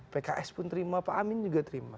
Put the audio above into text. pks pun terima pak amin juga terima